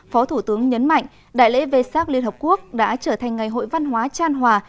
phó thủ tướng nhấn mạnh đại lễ vê sát liên hợp quốc đã trở thành ngày hội văn hóa tràn hòa